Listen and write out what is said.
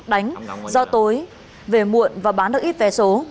đánh do tối về muộn và bán được ít vé số